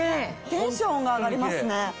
テンションが上がりますね。